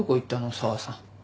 紗和さん。